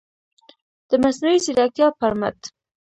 د مصنوعي ځیرکتیا پر مټ